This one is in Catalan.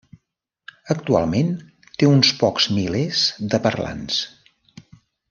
Actualment té uns pocs milers de parlants.